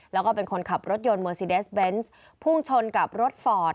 แล้วก็เป็นคนขับรถยนต์เมอร์ซีเดสเบนส์พุ่งชนกับรถฟอร์ด